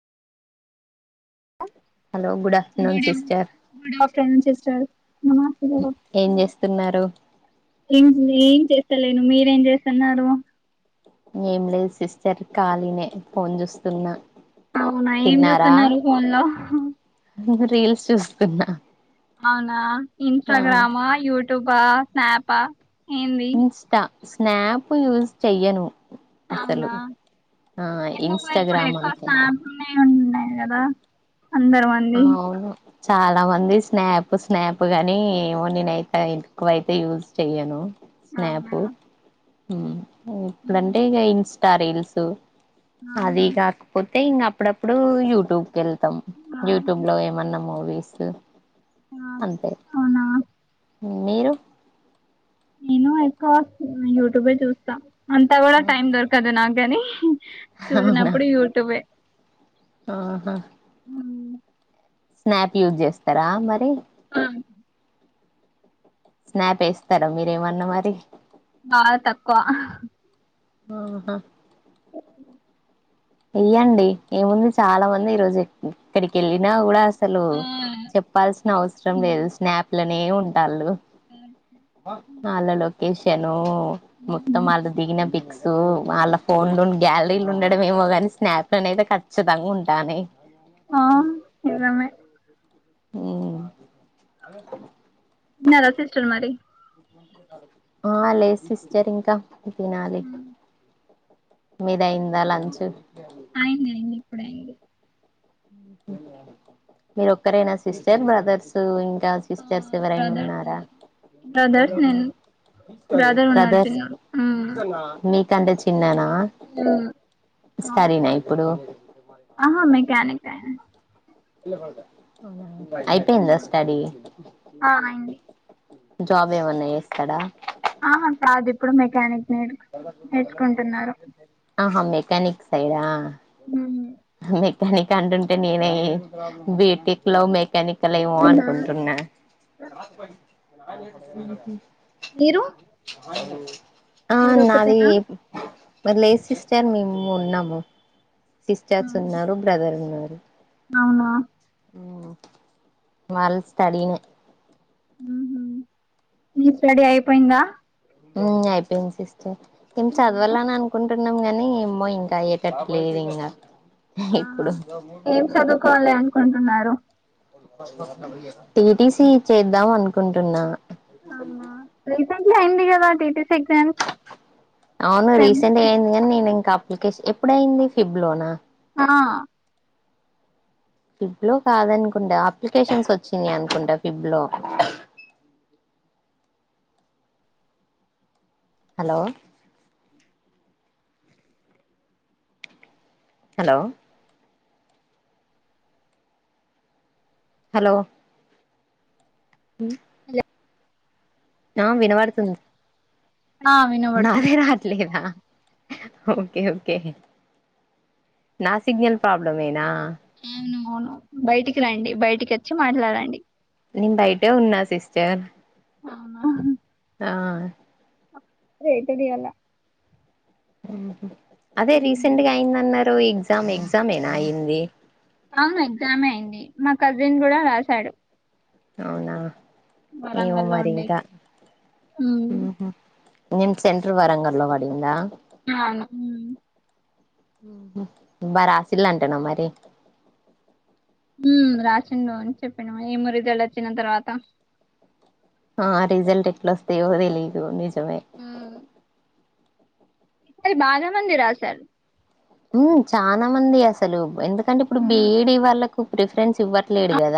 Hello good afternoon sister good afternoon sister నమస్తే madam ఏం చేస్తున్నారు ఏం ఏం చేస్తలేను మీరేం చేస్తన్నారు ఏం లేదు సిస్టర్ ఖాళీనే ఫోన్ చూస్తున్నా అవునా ఏం తిన్నారా చేస్తున్నారు ఫోన్ లో రీల్స్ చూస్తున్నా అవునా ఆ ఇన్స్టగ్రామా యూట్యూబా స్నాపా ఏంది ఇన్స్ట స్నాప్ యూస్ చెయ్యను అవునా అసలు ఆ ఎందుకు ఇప్పుడు ఇన్స్టాగ్రామ్ ఎక్కువ అంతే స్నాప్ లనే న్నాయి కదా అందరు మంది అవును చాలా మంది స్నాప్ స్నాప్ గాని నేనైతే ఎక్కువైతే యూజు చేయను అవునా ఉమ్. ఇప్పుడంటే ఇక ఇన్స్టా రీల్సు అది ఆహా కాకపోతే అయితే ఇంక అప్పుడప్పుడు యూట్యూబ్కి వెళ్తాం ఆహా యూట్యూబ్ లో ఏమన్నా మూవీస్ ఆ, అంతే అవునా మీరు నేను ఎక్కువ యూట్యూబ్ ఏ చూస్తా అంతా కూడా టైం దొరకదు నాకని అవునా చూసినప్పుడు యూట్యూబే ఆహా హ్మ్ స్నాప్ యూజ్ చేస్తారా మరి ఆ! స్నాప్ వేస్తార మీరేమన్నా మరి బాగా తక్కువ ఆహా ఏయ్యండి ఏముంది చాలా మంది ఈ రోజు ఇక్కడికి వెళ్ళినా కూడా అసలు ఆ చెప్పాల్సిన అవసరం లేదు హ్మ్. స్నాప్ల నే ఉంటళ్ళు వాళ్ళ లొకేషను మొత్తం హ్మ్. వాళ్ళు దిగిన పిక్సూ, వాళ్ళ ఫోన్లుం గ్యాలరీలు ఉండడం ఏమో గాన్ స్నాప్ లోనయితే ఖచ్చితంగ ఉంటానయ్. ఆ నిజమే హ్ము తిన్నారా సిస్టర్ మరి. ఆ లేదు సిస్టర్ ఇంకా తినాలి. మీది అయిందా లంచ్. అయింది అయింది ఇప్పుడే అయ్యింది మీరొక్కరేనా సిస్టర్ బ్రదర్సూ ఇంక్ కా ఆ సిస్టర్స్ ఎవరైనా బ్రదర్స్ ఉన్నారా. ఉన్నారు బ్రదర్స్ నేను బ్రదర్ ఉన్నాడు బదర్స్ చిన్నోడు హ్మ్ మీక్ కంటే చిన్నానా. సరేనా ఇప్పుడూ. ఆహా మెకానిక్ ఆయన. అవునా అయిపోయిందా హ్మ్. స్టడీ. ఆ అయింది జాబ్ ఏమన్నా చేస్తడా. ఆహా కాదు ఇప్పుడు మెకానిక్. నేర్ నేర్చుకుంటున్నారు ఆహ మెకానిక్ సైడా. హ్మ్ మెకానిక్ అంటుంటే నేనే బీటెక్ లో మెక్ కానికల్ ఏమో అనుకుంటున్నా. మీరు ఆ మీరు నాదీ ఒకటేనా పర్లేద్ సిస్టర్ మేము ఉన్నాము. సిస్టర్స్ అవును ఉన్నారు బ్రదర్ ఉన్నారు. అవునా ఊ వాళ్ళు స్టడీఇంగ్. ఊహు మీ స్టడీ అయిపోయిందా. ఊ అయిపోయింది సిస్టర్. నేన్ చదవాలననుకుం టున్నం గానీ, ఏమో ఇంకా అయ్యేటట్టు లేదు ఇంగా. ఆహా ఇప్పుడు ఏం చదువుకోవాలి అనుకుంటున్నారు టీటీసీ చేద్దాం అనుకుంటున్నా. అవునా రీసెంట్లీ అయింది గదా టీటీస్ అవును రీసెంట్గా అయింది గానీ నేను ఇంకా అప్లికేష్ ఎప్పుడయింది ఫిబ్లోనా. ఆ ఫిబ్ లో కాదనుకుంటా అప్లికేషన్స్ వచ్చినయి అనుకుంటా ఫిబ్ లో. హలో హలో హలో హలొ ఆ వినబడుతుంది. ఆ వినబడుతుంది నాదే రిట్లేదా. ఓకే ఓకే నా సిగ్నల్ ప్రాబ్లమేనా. అవును అవును బయటికి రండి బయటికి వచ్చి మాట్లాడండి. నేను బయటే ఉన్నా సిస్టర్. అవునా ఆ రేతది ఇయాల ఊహు అదే రీసెంట్గా అయిందన్నారు ఎగ్జామ్ ఎగ్జామ్ ఏనా అయ్యిందీ. ఆ ఎగ్జామే అయింది. మా కజిన్ గూడా రాశాడు. అవునా ఏమో మరి ఉండే ఇంకా. ఉమ్, ఊహు నీన్ సెంట్రల్ వరంగల్ లో పడిందా. అవును ఉమ్, ఊహు బాగ రాశిల్లంటనా మరి. రాసిండు అని చెప్పడు ఏమో రిజల్ట్ వచ్చిన తర్వాత రిజల్ట్ ఎట్లా వస్తయో తెలీదు నిజమే ఆ ఇది బాగా మంది రాసారు చాల మంది అసలు ఎందుకంటే ఇప్పుడు బి ఏ డి వాళ్ళకు ప్రిఫరెన్స్ ఆ ఇవ్వట్లేదు కదా